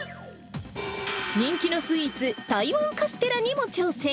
人気のスイーツ、台湾カステラにも挑戦。